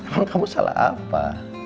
emang kamu salah apa